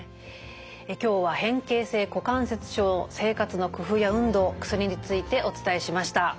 今日は変形性股関節症の生活の工夫や運動薬についてお伝えしました。